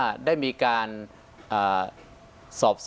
อันดับที่สุดท้าย